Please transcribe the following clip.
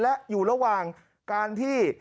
และอยู่ระหว่างการที่